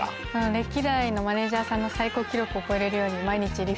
歴代のマネージャーさんの最高記録を超えれるように。